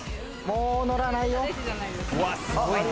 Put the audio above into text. もう乗らないよ。